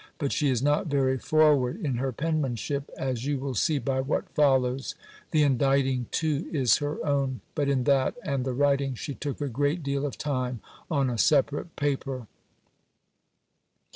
But she is not very forward in her penmanship, as you will see by what follows: the inditing too is her own; but in that, and the writing, she took a good deal of time, on a separate paper.